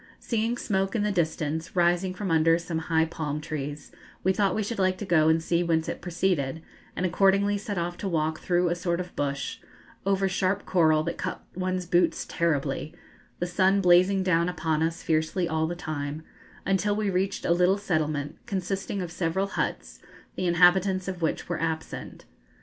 Seeing smoke in the distance, rising from under some high palm trees, we thought we should like to go and see whence it proceeded, and accordingly set off to walk through a sort of bush, over sharp coral that cut one's boots terribly, the sun blazing down upon us fiercely all the time, until we reached a little settlement, consisting of several huts, the inhabitants of which were absent.